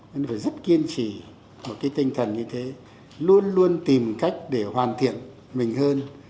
nên phải rất kiên trì một cái tinh thần như thế luôn luôn tìm cách để hoàn thiện mình hơn